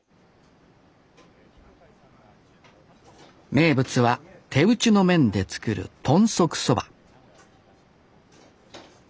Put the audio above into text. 名物は手打ちの麺で作る豚足そば